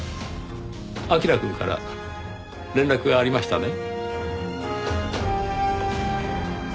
彬くんから連絡がありましたね？